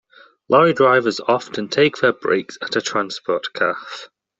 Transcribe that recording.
Lorry drivers often take their breaks at a transport cafe